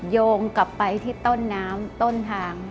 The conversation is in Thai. โยงกลับไปที่ต้นน้ำต้นทาง